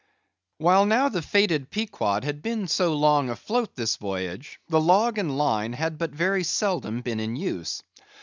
While now the fated Pequod had been so long afloat this voyage, the log and line had but very seldom been in use.